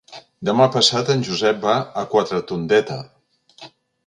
Demà passat en Josep va a Quatretondeta.